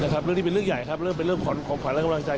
เรื่องที่เป็นเรื่องใหญ่เรื่องขอขอบความและกำลังใจ